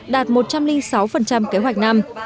đạt một trăm linh sáu kế hoạch năm